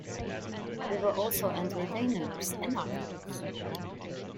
There were also entertainers and actors.